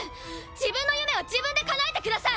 自分の夢は自分でかなえてください。